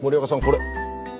これ。